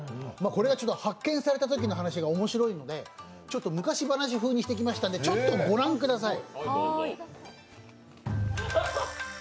これが発見されたときの話が面白いので、昔話風にしましたのでちょっと御覧ください。